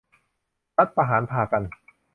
รัฐประหารพากัน